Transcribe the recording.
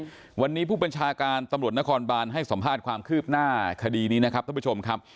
วันนี้ผู้บัญชาการตำรวจนครบานให้สัมภาษณ์ความคืบหน้าคดีนี้นะครับท่านผู้ชมครับ